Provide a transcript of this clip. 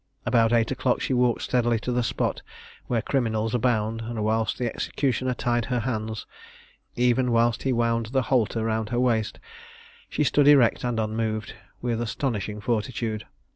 About eight o'clock she walked steadily to the spot where criminals are bound; and, whilst the executioner tied her hands even whilst he wound the halter round her waist she stood erect and unmoved, with astonishing fortitude.